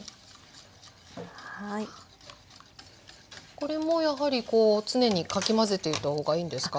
これもやはりこう常にかき混ぜていた方がいいんですか？